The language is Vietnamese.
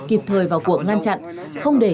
kịp thời vào cuộc ngăn chặn không để